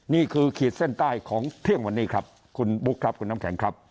ขีดเส้นใต้ของเที่ยงวันนี้ครับคุณบุ๊คครับคุณน้ำแข็งครับ